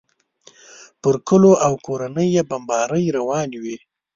پر کلیو او کورونو یې بمبارۍ روانې وې.